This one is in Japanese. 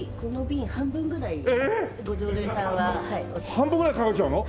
半分ぐらいかけちゃうの？